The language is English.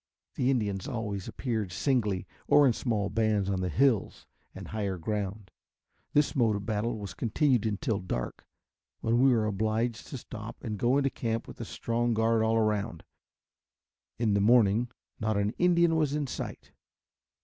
The Indians always appeared singly or in small bands on the hills and higher ground. This mode of battle was continued until dark, when we were obliged to stop and go into camp with a strong guard all around. In the morning not an Indian was in sight.